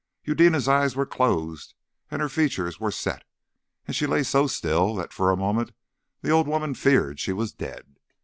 Eudena's eyes were closed and her features were set, and she lay so still that for a moment the old woman feared she was dead.